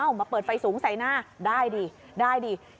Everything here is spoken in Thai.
เอ้ามาเปิดไฟสูงใส่หน้าได้ดี